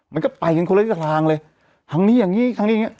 มันก็ไปกันคนละทีทางเลยทางนี้ทางนี้ทางนี้ทางนี้